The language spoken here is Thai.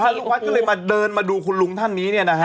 ลูกวัดก็เลยมาเดินมาดูคุณลุงท่านนี้